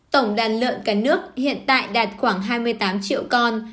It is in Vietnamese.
tổng đàn lợn cả nước hiện tại đạt khoảng hai mươi tám triệu con